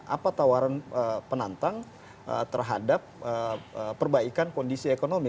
apa tawaran penantang terhadap perbaikan kondisi ekonomi